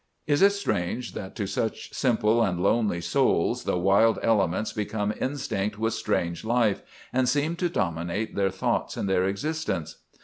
"Is it strange that to such simple and lonely souls the wild elements become instinct with strange life, and seem to dominate their thoughts and their existence?